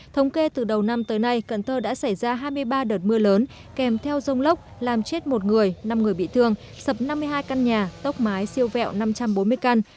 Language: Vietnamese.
thống kê từ đầu năm tới nay cần thơ đã xảy ra hai mươi ba đợt mưa lớn kèm theo rông lốc làm chết một người năm người bị thương sập năm mươi hai căn nhà tốc mái siêu vẹo năm trăm bốn mươi căn